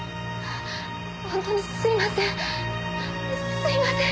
本当にすみません。